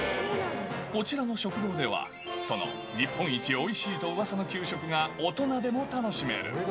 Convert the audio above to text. こちらの食堂では、その日本一おいしいとうわさの給食が大人でも楽しめる。